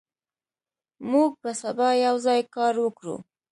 موږ به سبا یوځای کار وکړو.